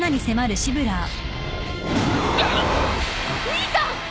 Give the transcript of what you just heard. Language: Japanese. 兄さん！